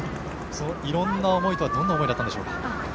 いろんな思いとはどんな思いだったんでしょうか。